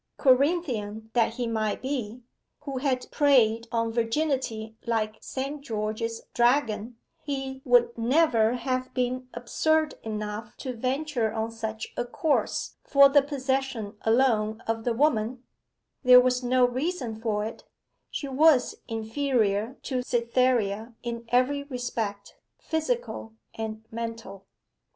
Corinthian that he might be, who had preyed on virginity like St. George's dragon, he would never have been absurd enough to venture on such a course for the possession alone of the woman there was no reason for it she was inferior to Cytherea in every respect, physical and mental.